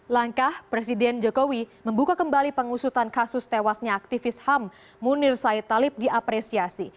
langkah presiden jokowi membuka kembali pengusutan kasus tewasnya aktivis ham munir said talib diapresiasi